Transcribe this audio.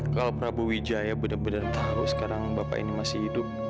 kalau prabowo wijaya benar benar tahu sekarang bapak ini masih hidup